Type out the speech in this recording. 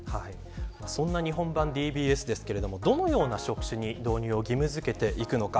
そんな日本版ＤＢＳですがどのような職種に導入を義務づけていくのか。